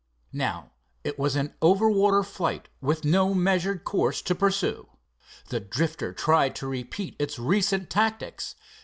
Now it was an over water flight with no measured course to pursue. The Drifter tried to repeat its recent tactics.